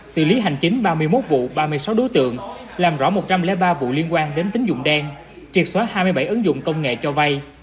xử lý hành chính ba mươi một vụ ba mươi sáu đối tượng làm rõ một trăm linh ba vụ liên quan đến tính dụng đen triệt xóa hai mươi bảy ứng dụng công nghệ cho vay